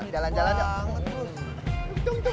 jalan jalan yuk